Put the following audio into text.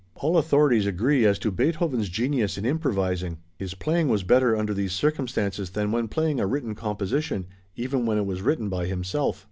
All authorities agree as to Beethoven's genius in improvising. His playing was better under these circumstances than when playing a written composition, even when it was written by himself.